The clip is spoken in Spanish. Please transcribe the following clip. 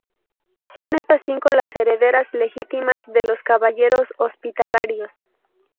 Son estas cinco las herederas legítimas de los Caballeros Hospitalarios.